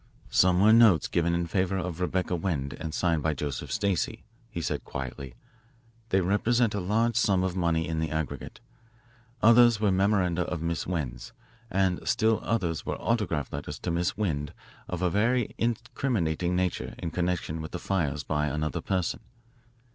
"Some were notes given in favour of Rebecca Wend and signed by Joseph Stacey," he said quietly. "They represent a large sum of money in the aggregate. Others were memoranda of Miss Wend's, and still others were autograph letters to Miss Wend of a very incriminating nature in connection with the fires by another person."